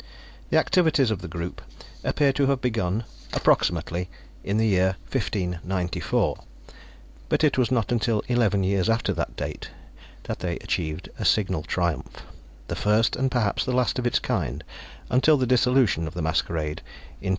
The activities of the group appear to have begun, approximately, in the year 1594, but it was not until eleven years after that date that they achieved a signal triumph, the first and perhaps the last of its kind until the dissolution of the Masquerade in 2103.